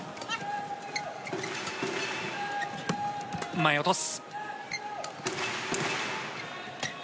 前に落とす。